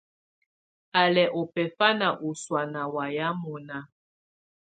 Á lɛ̀ ù bɛ̀fanɛ̀ ù sɔ̀á nà waya mɔ̀na.